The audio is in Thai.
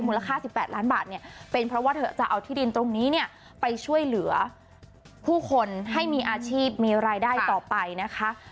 ค่า๑๘ล้านบาทเนี่ยเป็นเพราะว่าเธอจะเอาที่ดินตรงนี้เนี่ยไปช่วยเหลือผู้คนให้มีอาชีพมีรายได้ต่อไปนะคะ